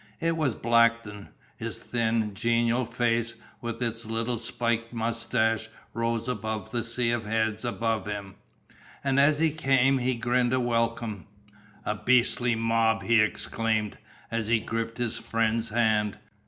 It was Blackton. His thin, genial face with its little spiked moustache rose above the sea of heads about him, and as he came he grinned a welcome. "A beastly mob!" he exclaimed, as he gripped his friend's hand.